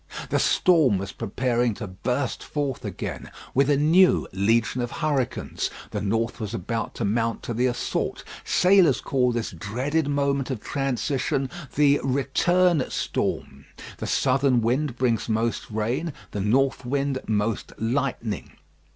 The storm was preparing to burst forth again with a new legion of hurricanes. The north was about to mount to the assault. Sailors call this dreaded moment of transition the "Return storm." The southern wind brings most rain, the north wind most lightning.